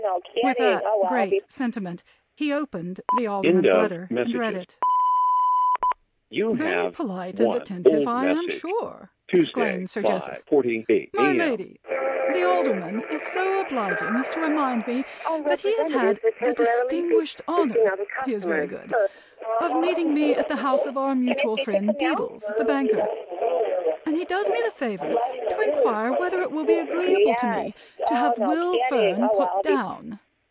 '" With that great sentiment, he opened the Alderman's letter, and read it. "Very polite and attentive, I am sure!" exclaimed Sir Joseph. "My lady, the Alderman is so obliging as to remind me that he has had 'the distinguished honor' he is very good of meeting me at the house of our mutual friend Deedles, the banker, and he does me the favor to inquire whether it will be agreeable to me to have Will Fern put down.